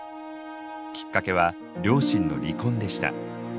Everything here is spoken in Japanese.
きっかけは両親の離婚でした。